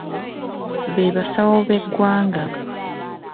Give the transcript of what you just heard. Be basawo bw’eggwanga.